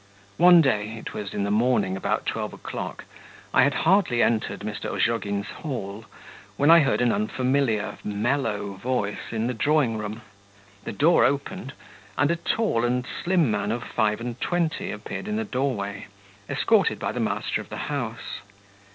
One day it was in the morning about twelve o'clock I had hardly entered Mr. Ozhogin's hall, when I heard an unfamiliar, mellow voice in the drawing room, the door opened, and a tall and slim man of five and twenty appeared in the doorway, escorted by the master of the house.